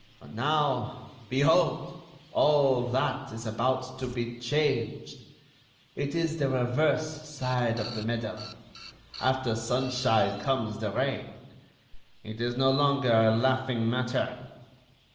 And now, behold, all that is about to be changed! It is the reverse side of the medal. After sunshine comes the rain. It is no longer a laughing matter.